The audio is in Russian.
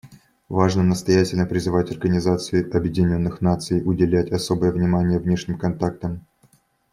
Важно настоятельно призывать Организацию Объединенных Наций уделять особое внимание внешним контактам.